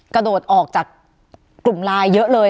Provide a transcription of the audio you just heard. กระโดดออกจากกลุ่มไลน์เยอะเลย